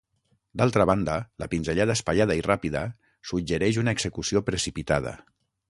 D'altra banda, la pinzellada espaiada i ràpida suggereix una execució precipitada.